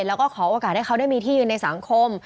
แล้วก็ขอโอกาสให้เขาได้มีที่ยืนในสังคม